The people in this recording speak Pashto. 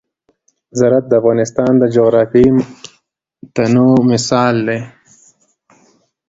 زراعت د افغانستان د جغرافیوي تنوع مثال دی.